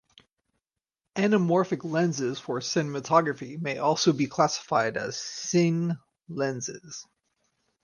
Anamorphic lenses for cinematography may also be classified as cine lenses.